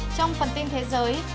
trong phần tin thế giới